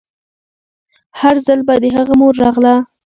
هر ځل به د هغه مور راغله.